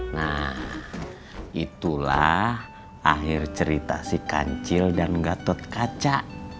nah itulah akhir cerita si kancil dan gatotkaca